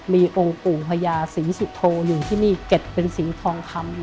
มีองค์ปู่พญาศรีสุโธหนึ่งที่นี่เก็บเป็นสีทองคำ